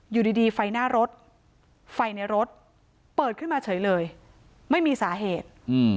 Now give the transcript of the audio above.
อยู่ดีไฟหน้ารถไฟในรถเปิดขึ้นมาเฉยเลยไม่มีสาเหตุ